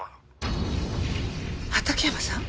畑山さん？